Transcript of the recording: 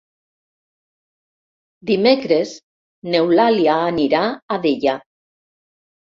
Dimecres n'Eulàlia anirà a Deià.